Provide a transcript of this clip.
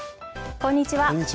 こんにちは。